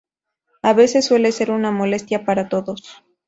A veces suele ser una molestia para todos.